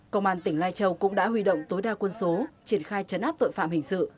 công an tỉnh lai châu cũng đã huy động tối đa quân số triển khai chấn áp tội phạm hình sự